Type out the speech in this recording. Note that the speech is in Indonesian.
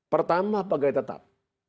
pertama pegawai tetap